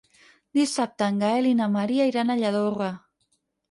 Dissabte en Gaël i na Maria iran a Lladorre.